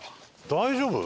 大丈夫？